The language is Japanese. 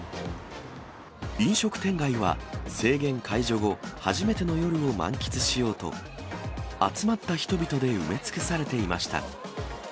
飲食店街は制限解除後、初めての夜を満喫しようと、集まった人々で埋め尽くされていました。